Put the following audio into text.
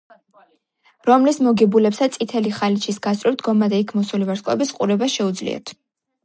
რომლის მოგებულებსაც წითელი ხალიჩის გასწვრივ დგომა და იქ მოსული ვარსკვლავების ყურება შეუძლიათ.